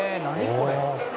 これ」